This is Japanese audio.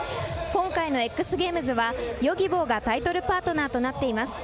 今回のＸＧａｍｅｓはＹｏｇｉｂｏがタイトルパートナーとなっています。